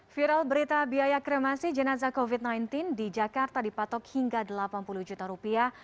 viral berita biaya kremasi jenazah covid sembilan belas di jakarta dipatok hingga delapan puluh juta rupiah